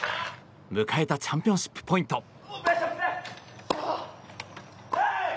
迎えたチャンピオンシップポイント。